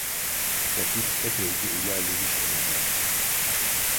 Vakit epeyce ilerlemiş olacaktı.